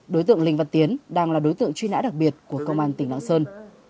đối tượng linh văn tiến đang là đối tượng truy nã đặc biệt của công an tỉnh lạng sơn